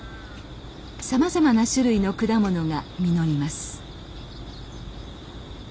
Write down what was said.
さまざまな種類の果物が実ります。